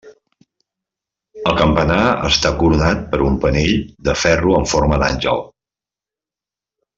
El campanar està coronat per un penell de ferro en forma d'àngel.